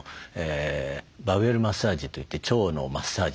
バウエルマッサージといって腸のマッサージですね。